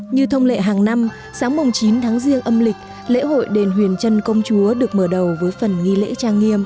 như thông lệ hàng năm sáng mồng chín tháng riêng âm lịch lễ hội đền huyền trân công chúa được mở đầu với phần hai